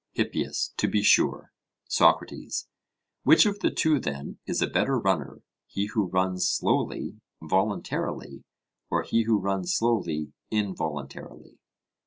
HIPPIAS: To be sure. SOCRATES: Which of the two then is a better runner? He who runs slowly voluntarily, or he who runs slowly involuntarily?